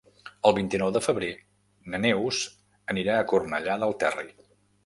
El vint-i-nou de febrer na Neus anirà a Cornellà del Terri.